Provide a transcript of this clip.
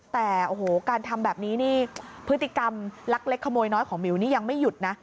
แต่โอ้โหการทำแบบนี้นี่พฤติกรรมลักเล็กขโมยน้อยของหมิวนี่ยังไม่หยุดนะ